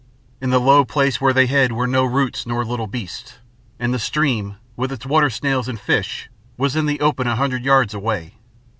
In the low place where they hid were no roots nor little beasts, and the stream, with its water snails and fish, was in the open a hundred yards away.